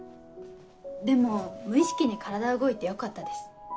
でも無意識に体動いてよかったです。